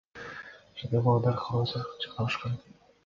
Шаардагы балдар кароосуз калышкан.